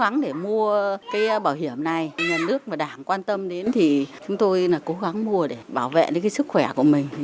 nhà nước và đảng quan tâm đến thì chúng tôi cố gắng mua để bảo vệ sức khỏe của mình